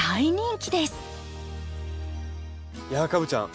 いやあカブちゃん